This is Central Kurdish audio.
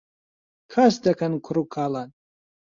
کاس دەکەن کوڕ و کاڵان